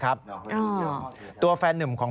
ใครตัวสบายใจนะ